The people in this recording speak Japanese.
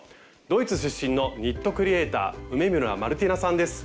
ドイツ出身のニットクリエーター梅村マルティナさんです。